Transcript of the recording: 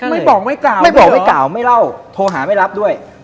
ไม่บอกไม่กล่าวไม่เล่าโทรหาไม่รับด้วย